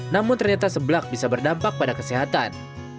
namun ternyata seblak bisa berdampak pada kesehatan